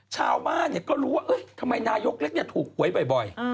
ชาวบ้านก็รู้ว่าทำไมนายกเล็กถูกหวยบ่อย